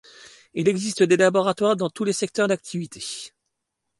Il existe des laboratoires dans tous les secteurs d’activité.